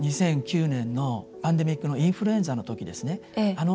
２００９年のパンデミックのインフルエンザの時ですね